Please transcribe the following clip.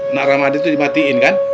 nara mahdi itu dimatiin kan